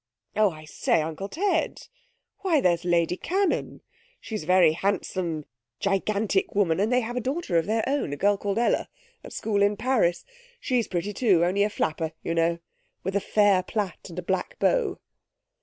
'Oh, I say, Uncle Ted! Why, there's Lady Cannon! She's a very handsome, gigantic woman, and they have a daughter of their own, a girl called Ella, at school in Paris. She's pretty, too, only a flapper, you know, with a fair plait and a black bow.'